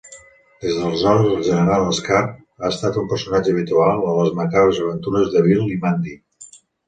Des d'aleshores, el General Skarr ha estat un personatge habitual a "Les macabres aventures de Bill i Mandy".